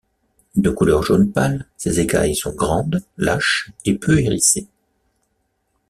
De couleur jaune pâle, ses écailles sont grandes, lâches et un peu hérissées.